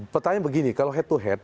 pertanyaan begini kalau head to head